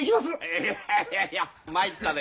いやいやいや参ったね。